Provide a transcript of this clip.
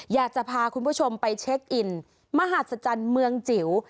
อยากจะพาคุณผู้ชมไปเช็คอินมหัศจรรย์เมืองจิ๋ว